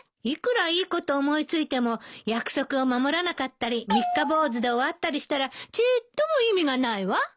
いくらいいことを思い付いても約束を守らなかったり三日坊主で終わったりしたらちっとも意味がないわ。